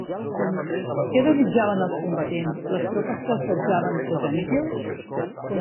Què desitjaven als combatents les tropes que assetjaven Przemyśl?